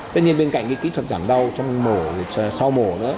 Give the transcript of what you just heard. tất nhiên bên cạnh cái kỹ thuật giảm đau trong mổ sau mổ nữa